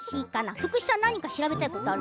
福士さん何か調べたいことある？